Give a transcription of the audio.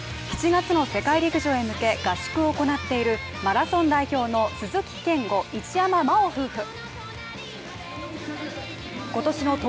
７月の世界陸上へ向け合宿を行っているマラソン代表の鈴木健吾・一山麻緒夫婦。